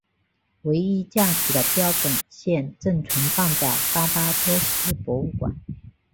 唯一架起的标本现正存放在巴巴多斯博物馆。